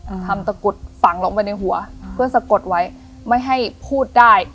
อืมทำตะกุดฝังลงไปในหัวอืมเพื่อสะกดไว้ไม่ให้พูดได้